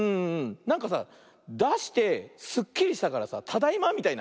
なんかさだしてすっきりしたからさ「ただいま」みたいな。